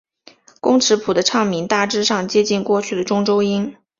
工尺谱的唱名大致上接近过去的中州音。